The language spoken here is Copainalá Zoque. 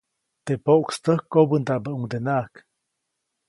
Teʼ poʼkstäk kobändaʼmbäʼuŋdenaʼak.